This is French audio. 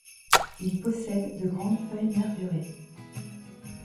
Il possède de grandes feuilles nervurées.